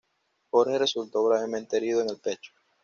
Jorge resultó gravemente herido en el pecho.